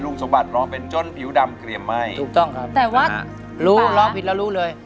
สมบัติร้องเป็นจนผิวดำเกลี่ยมไหม้ถูกต้องครับแต่ว่ารู้ร้องผิดแล้วรู้เลย